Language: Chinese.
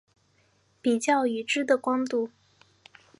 比较已知的光度。